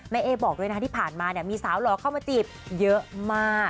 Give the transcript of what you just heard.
แม่เอบอกด้วยที่ผ่านมามีสาวหรอเข้ามาจีบเยอะมาก